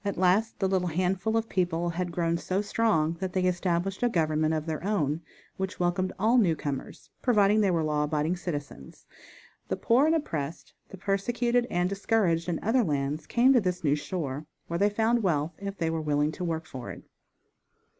At last the little handful of people had grown so strong that they established a government of their own, which welcomed all newcomers, providing they were law abiding citizens. The poor and oppressed, the persecuted and discouraged in other lands came to this new shore, where they found wealth if they were willing to work for it.